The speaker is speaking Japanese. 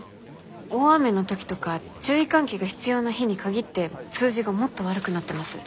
大雨の時とか注意喚起が必要な日に限って数字がもっと悪くなってます。